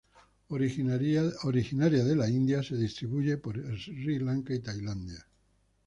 Originaria de la India, se distribuye por Sri Lanka y Tailandia.